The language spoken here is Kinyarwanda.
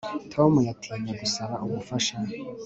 Tom yatinye gusaba ubufasha